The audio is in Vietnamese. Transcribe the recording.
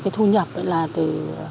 cái thu nhập ấy là từ